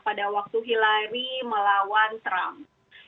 pada waktu hillary melawan trump